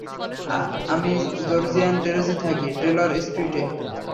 আমি জর্জিয়ান টেরেসে থাকি, টেলর স্ট্রিটে।